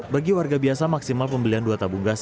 bagi warga biasa maksimal pembelian dua tabung gas